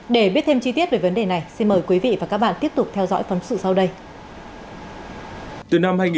để biết thêm chi tiết về vấn đề này xin mời quý vị và các bạn tiếp tục theo dõi phóng sự sau đây